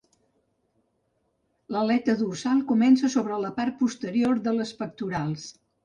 L'aleta dorsal comença sobre la part posterior de les pectorals.